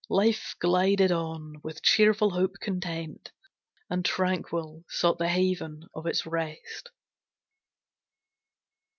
Life glided on, with cheerful hope content; And tranquil, sought the haven of its rest.